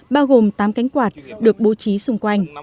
bao gồm tám cánh quạt được bố trí xung quanh